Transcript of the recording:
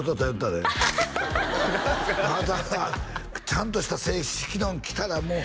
「ちゃんとした正式の着たらもう」